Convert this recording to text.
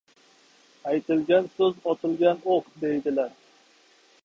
Aytilgan so‘z otilgan o‘q, deydilar.